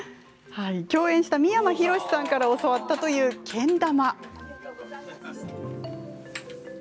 共演の三山ひろしさんから教わったという、けん玉。